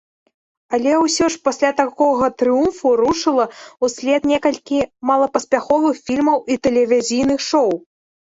Але ўсё ж пасля такога трыумфу рушыла ўслед некалькі малапаспяховых фільмаў і тэлевізійных шоў.